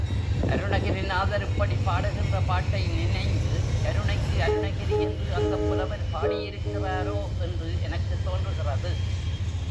அருணகிரிநாதர் இப்படிப் பாடுகின்ற பாட்டை நினைந்து, கருணைக்கு அருணகிரி என்று அந்தப் புலவர் பாடியிருக்கிறாரோ என்று எனக்குத் தோன்றுகிறது.